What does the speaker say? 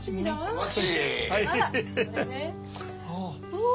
お。